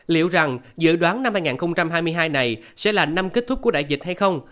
liệu rằng dự đoán năm hai nghìn hai mươi hai này sẽ là năm kết thúc của đại dịch hay không